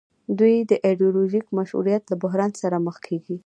دوی د ایډیولوژیک مشروعیت له بحران سره مخ کیږي.